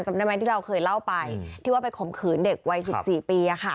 จำได้ไหมที่เราเคยเล่าไปที่ว่าไปข่มขืนเด็กวัย๑๔ปี